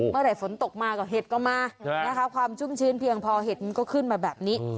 เมื่อไหร่ฝนตกมาก็เห็ดก็มานะคะความชุ่มชื้นเพียงพอเห็ดมันก็ขึ้นมาแบบนี้